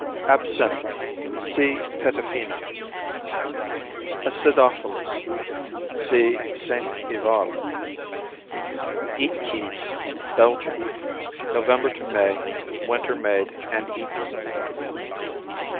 Absinthe see Petafina. Acidophilus see Saint Ivel. Aettekees Belgium November to May winter made and eaten.